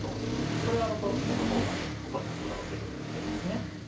これは６六歩の効果でここに角が打てるようになってるんですね。